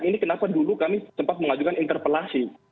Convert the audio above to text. ini kenapa dulu kami sempat mengajukan interpelasi